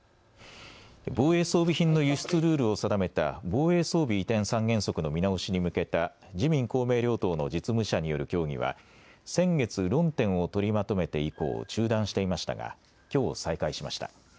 防衛装備品の輸出ルールを定めた防衛装備移転三原則の見直しに向けた自民公明両党の実務者による協議は先月、論点を取りまとめて以降、中断していましたがきょう再開しました。